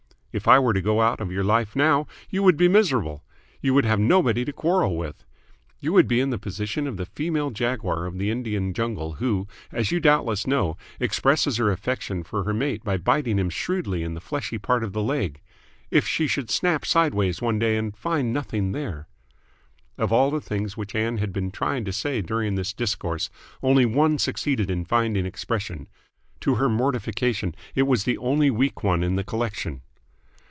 If I were to go out of your life now, you would be miserable. You would have nobody to quarrel with. You would be in the position of the female jaguar of the Indian jungle, who, as you doubtless know, expresses her affection for her mate by biting him shrewdly in the fleshy part of the leg, if she should snap sideways one day and find nothing there." Of all the things which Ann had been trying to say during this discourse, only one succeeded in finding expression. To her mortification, it was the only weak one in the collection.